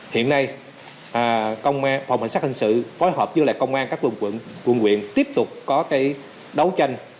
hiện nay phòng cảnh sát hình sự phối hợp với công an các quân quyền tiếp tục có cái đấu tranh